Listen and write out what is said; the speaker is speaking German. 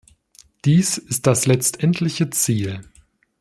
Dies ist das letztendliche Ziel.